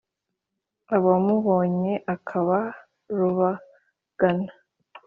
abamubonye akaba rubagana.